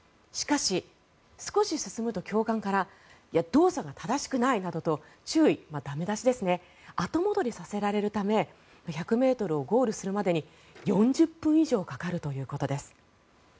しかし、少し進むと教官から動作が正しくないなどと注意、駄目出しですね後戻りさせられるため１００ｍをゴールするまでに４０分以上かかるということです。